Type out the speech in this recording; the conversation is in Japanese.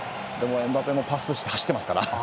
エムバペもパスして走ってますから。